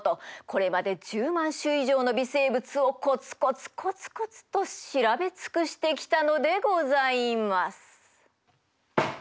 これまで１０万種以上の微生物をコツコツコツコツと調べ尽くしてきたのでございます。